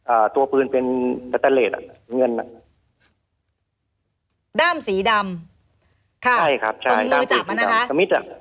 อ่าตัวปืนเป็นอ่ะเงินด้ามสีดำใช่ครับใช่ตรงมือจับมันนะคะ